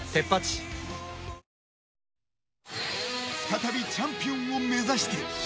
再びチャンピオンを目指して。